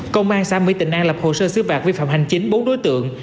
công an xa mỹ tỉnh an lập hồ sơ xứ vạc vi phạm hành chính bốn đối tượng